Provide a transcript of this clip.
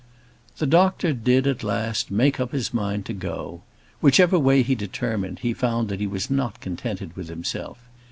The doctor did, at last, make up his mind to go. Whichever way he determined, he found that he was not contented with himself.